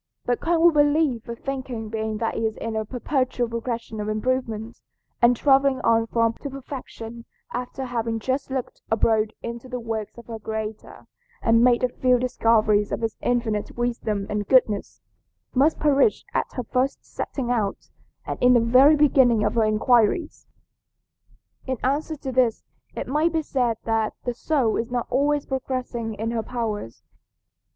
But can we believe a thinking being that is in a perpetual progress of improvement, and traveling on from perfection to perfection after having just looked abroad into the works of her Creator and made a few discoveries of his infinite wisdom and goodness, must perish at her first setting out and in the very beginning of her inquiries?" In answer to this it may be said that the soul is not always progressing in her powers.